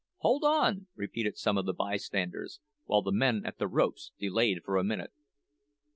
hold on!' repeated some of the bystanders, while the men at the ropes delayed for a minute.